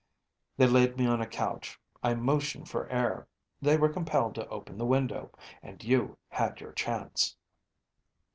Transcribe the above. They laid me on a couch, I motioned for air, they were compelled to open the window, and you had your chance.